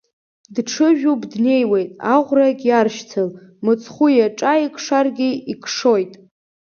Дҽыжәуп, днеиуеит, аӷәрагь иаршьцыл, мыцхәы иаҿеикшаргьы икшоит.